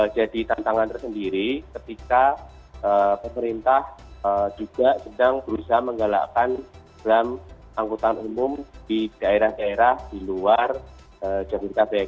jadi tantangan tersendiri ketika pemerintah juga sedang berusaha menggalakkan dalam angkutan umum di daerah daerah di luar jabodetabek